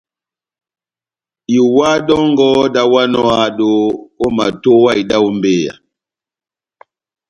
Iwa dɔngɔ dáháwanɔ ó ehádo, omatowa ida ó mbeyá.